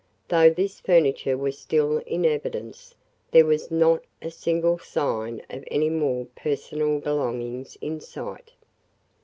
Though this furniture was still in evidence, there was not a single sign of any more personal belongings in sight.